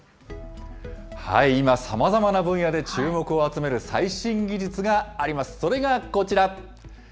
今、さまざまな分野で注目を集める最新技術があります。